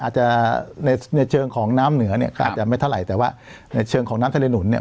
อาจจะในเชิงของน้ำเหนือเนี่ยก็อาจจะไม่เท่าไหร่แต่ว่าในเชิงของน้ำทะเลหนุนเนี่ย